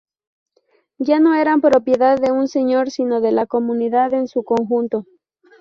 Ya no eran propiedad de un señor, sino de la comunidad en su conjunto.